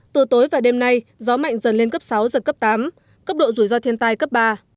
từ tối và đêm nay gió mạnh dần lên cấp sáu giật cấp tám cấp độ rủi ro thiên tai cấp ba